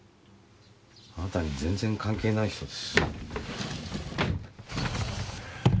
あなたに全然関係ない人です。